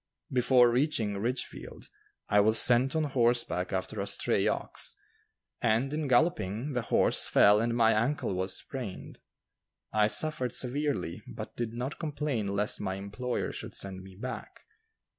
Before reaching Ridgefield, I was sent on horseback after a stray ox, and, in galloping, the horse fell and my ankle was sprained. I suffered severely, but did not complain lest my employer should send me back.